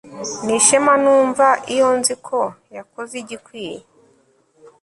Ni ishema numva iyo nzi ko yakoze igikwiye